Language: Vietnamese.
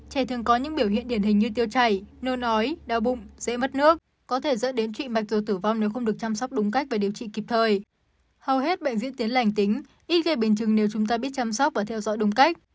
hầu hết bệnh diễn tiến lành tính ít gây bình chừng nếu chúng ta biết chăm sóc và theo dõi đúng cách